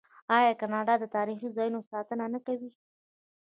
آیا کاناډا د تاریخي ځایونو ساتنه نه کوي؟